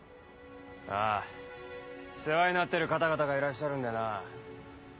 ああ世話になってる方々がいらっしゃるんでな。